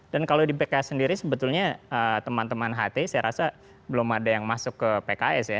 dan kalau di pks sendiri sebetulnya teman teman hti saya rasa belum ada yang masuk ke pks ya